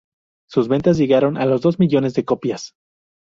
Sus ventas llegaron a los dos millones de copias.